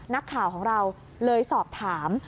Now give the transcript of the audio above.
นักข่าวของเราเลยสอบถาม